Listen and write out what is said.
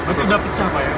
berarti udah pecah pak ya